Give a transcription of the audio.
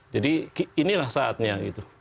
jadi inilah saatnya